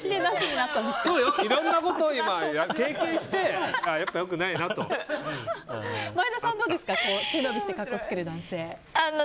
いろんなことを経験して前田さんはどうですか背伸びして格好つける男性。